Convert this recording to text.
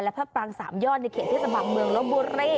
พระปรางสามยอดในเขตเทศบาลเมืองลบบุรี